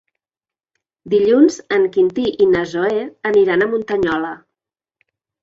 Dilluns en Quintí i na Zoè iran a Muntanyola.